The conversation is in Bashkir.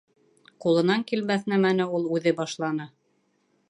Ҡулынан килмәҫ нәмәне ул үҙе башланы!